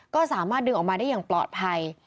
ก็สามารถดึงออกมาได้อย่างปลอดภัย